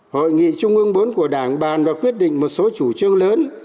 hội nghị trung ương bốn của đảng bàn và quyết định một số chủ trương lớn